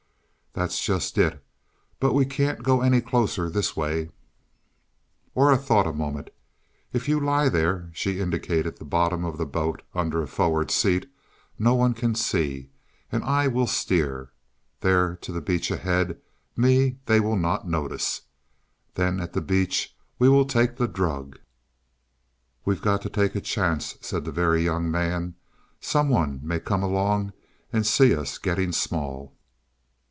"That's just it, but we can't go any closer this way." Aura thought a moment. "If you lie there," she indicated the bottom of the boat under a forward seat, "no one can see. And I will steer there to the beach ahead; me they will not notice. Then at the beach we will take the drug." "We've got to take a chance," said the Very Young Man. "Some one may come along and see us getting small."